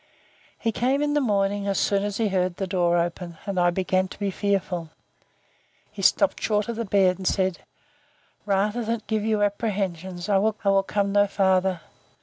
He came in the morning, as soon as he heard the door open and I began to be fearful. He stopped short of the bed, and said, Rather than give you apprehensions, I will come no farther.